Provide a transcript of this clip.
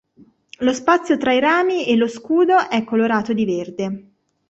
Lo spazio tra i rami e lo scudo è colorato di verde.